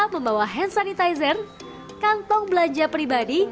membawa hand sanitizer kantong belanja pribadi